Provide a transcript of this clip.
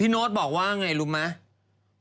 โน๊ตบอกว่าไงรู้ไหม